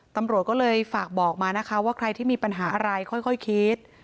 ตำรวจก็เลยฝากบอกมานะคะว่าใครที่มีปัญหาอะไรค่อยคิด